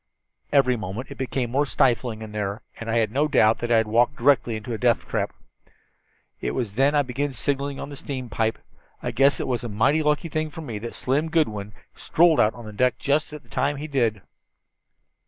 "Every moment it became more stifling in there, and I had no doubt that I had walked directly into a death trap. It was then I began signaling on the steam pipe. I guess it was a mighty lucky thing for me that Slim Goodwin strolled out on deck just at the time he did."